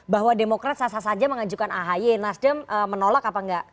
jadi buat demokrat sah sah saja mengajukan ahy nasdem menolak apa enggak